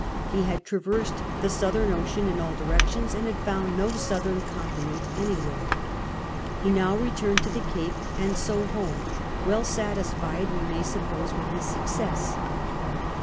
He had traversed the southern ocean in all directions and had found no southern continent anywhere. He now returned to the Capo, and so home, well satisfied, we may suppose, with his success.